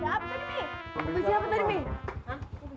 siapa tadi mi